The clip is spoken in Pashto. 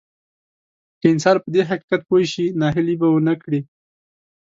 که انسان په دې حقيقت پوه شي ناهيلي به ونه کړي.